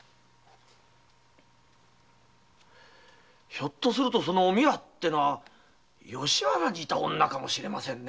ひょっとすると「おみわ」ってのは吉原にいた女かもしれませんね。